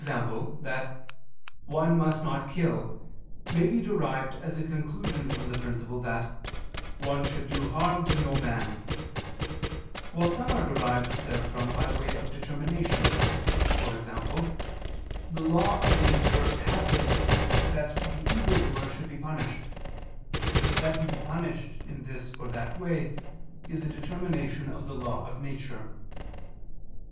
that "one must not kill" may be derived as a conclusion from the principle that "one should do harm to no man": while some are derived therefrom by way of determination; e.g. the law of nature has it that the evil doer should be punished; but that he be punished in this or that way, is a determination of the law of nature.